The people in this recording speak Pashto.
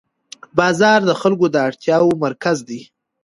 بازار د خلکو د اړتیاوو مرکز دی